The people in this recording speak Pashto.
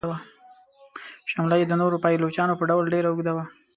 شمله یې د نورو پایلوچانو په ډول ډیره اوږده وه.